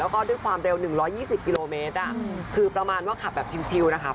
แล้วก็ด้วยความเร็ว๑๒๐กิโลเมตรคือประมาณว่าขับแบบชิลนะคะ